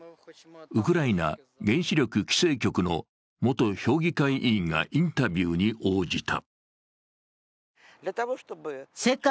ウクライナ原子力規制局の元評議会委員がインタビューに応じた。